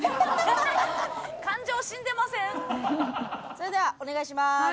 それではお願いします。